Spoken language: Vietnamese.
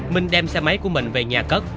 minh đem xe máy của mình về nhà cất